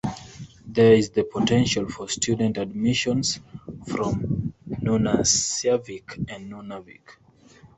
There is the potential for student admissions from Nunatsiavik and Nunavik.